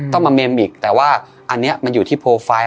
ต้องมาเมมอีกแต่ว่าอันนี้มันอยู่ที่โปรไฟล์